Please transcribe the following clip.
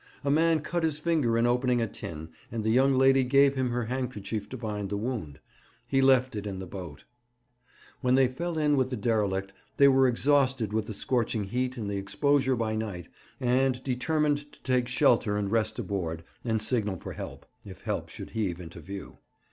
A man cut his finger in opening a tin, and the young lady gave him her handkerchief to bind the wound. He left it in the boat. When they fell in with the derelict they were exhausted with the scorching heat and the exposure by night, and determined to take shelter and rest aboard, and signal for help, if help should heave into view.